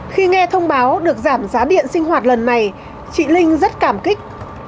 khi nghe thông báo được giảm giá điện sinh hoạt lần này chị linh rất cảm kích